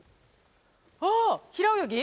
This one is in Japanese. あっ平泳ぎ。